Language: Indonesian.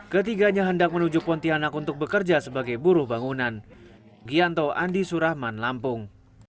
ketiganya hendak menuju pontianak untuk bekerja sebagai buruh bangunan